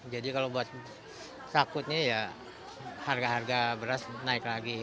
jadi kalau buat kakutnya ya harga harga beras naik lagi